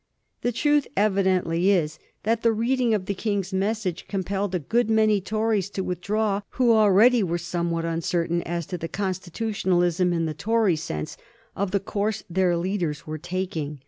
The truth evidently is that the reading of the King's message compelled a good many Tories to with draw who already were somewhat uncertain as to the constitutionalism, in the Tory sense, of the course their leaders were taking.